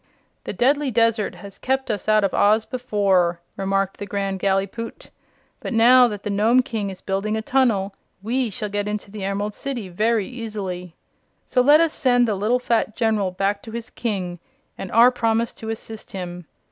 "The deadly desert has kept us out of Oz before," remarked the Grand Gallipoot, "but now that the Nome King is building a tunnel we shall get into the Emerald City very easily. So let us send the little fat General back to his King with our promise to assist him.